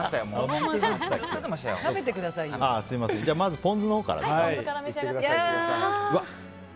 まずはポン酢のほうから。